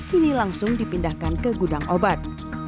kini langsung dipindahkan ke gudang obat